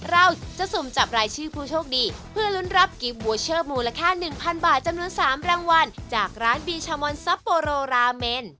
เราจะสุ่มจับรายชื่อผู้โชคดีเพื่อลุ้นรับกิฟต์วูเชอร์มูลค่า๑๐๐บาทจำนวน๓รางวัลจากร้านบีชามอนซับโปโรราเมน